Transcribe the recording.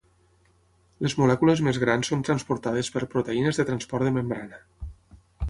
Les molècules més grans són transportades per proteïnes de transport de membrana.